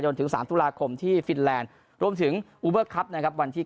ยนถึงสามตุราคมที่ฟินแลนด์รวมถึงนะครับวันที่